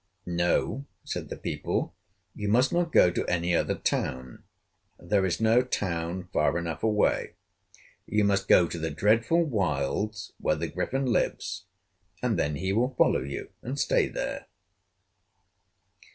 "No," said the people, "you must not go to any other town. There is no town far enough away. You must go to the dreadful wilds where the Griffin lives; and then he will follow you and stay there."